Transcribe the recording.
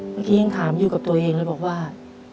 เมื่อกี้ยังถามอยู่กับตัวเองเลยบอกว่า